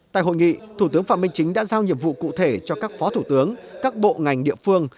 tại hội nghị thủ tướng phạm minh chính đã giao nhiệm vụ cụ thể cho các phó thủ tướng các bộ ngành địa phương